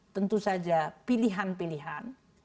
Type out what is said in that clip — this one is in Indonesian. tentu saja pilihan pilihan